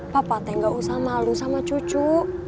papa teh gak usah malu sama cucu